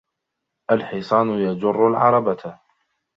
الْحِصَانُ يَجُرُّ الْعَرَبَةَ.